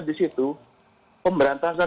di situ pemberantasan